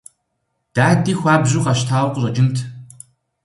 Дади хуабжьу къэщтауэ къыщӀэкӀынт.